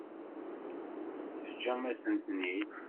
Teǧǧam-asen-ten-id?